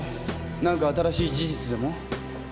何か新しい事実でも？